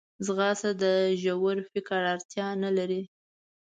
ځغاسته د ژور فکر اړتیا نه لري